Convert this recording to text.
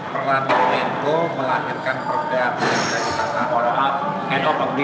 peraturan itu melahirkan perdagangan dari masyarakat